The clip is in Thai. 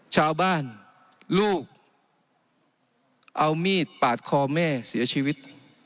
ชาวบ้านลูกเอามีดปาดคอแม่เสียชีวิต